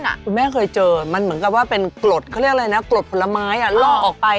คุณแม่เคยเจอมันเหมือนกับว่าเป็นกรดเขาเรียกอะไรนะกรดผลไม้ล่อออกไป